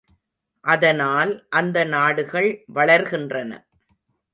அதனால் அந்த நாடுகள் வளர்கின்றன.